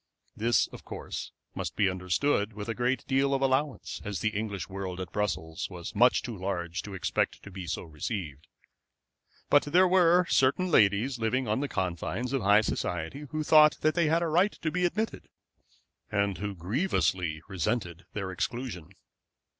This, of course, must be understood with a good deal of allowance, as the English world at Brussels was much too large to expect to be so received; but there were certain ladies living on the confines of high society who thought that they had a right to be admitted, and who grievously resented their exclusion.